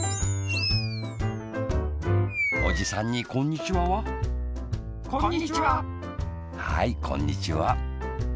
おじさんに「こんにちは」は？こんにちは！はいこんにちは！